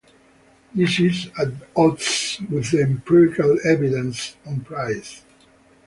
This is at odds with the empirical evidence on prices.